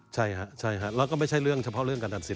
ใช่ครับใช่ครับแล้วก็ไม่ใช่เรื่องเฉพาะเรื่องการตัดสิน